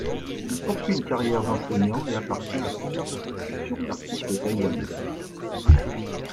Il poursuit une carrière d'enseignant et appartient à plusieurs associations d'artistes taïwanais.